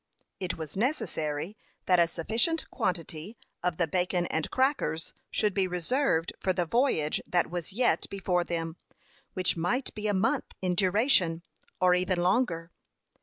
It was necessary that a sufficient quantity of the bacon and crackers should be reserved for the voyage that was yet before them, which might be a month in duration, or even longer.